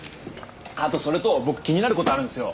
あとそれと僕気になることあるんですよ